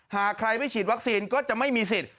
หากใครไม่ฉีดวัคซีนก็จะไม่มีสิทธิ์